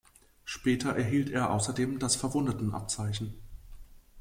Später erhielt er außerdem das Verwundetenabzeichen.